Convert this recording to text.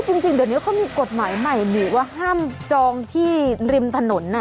จริงเดือนนี้เขามีกฎหมายใหม่หรือว่าห้ามจองที่ริมถนนน่ะ